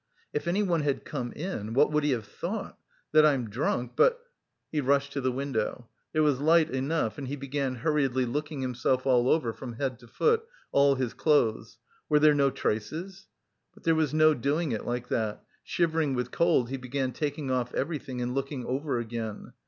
"If anyone had come in, what would he have thought? That I'm drunk but..." He rushed to the window. There was light enough, and he began hurriedly looking himself all over from head to foot, all his clothes; were there no traces? But there was no doing it like that; shivering with cold, he began taking off everything and looking over again.